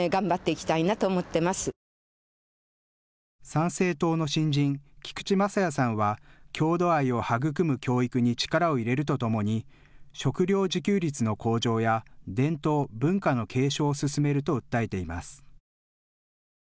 参政党の新人、菊池政也さんは郷土愛を育む教育に力を入れるとともに食料自給率の向上や伝統、文化の継承を進めると訴えています。